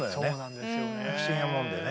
不思議なもんでね。